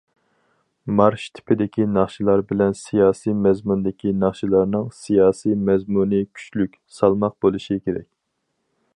مارش تىپىدىكى ناخشىلار بىلەن سىياسىي مەزمۇندىكى ناخشىلارنىڭ سىياسىي مەزمۇنى كۈچلۈك، سالماق بولۇشى كېرەك.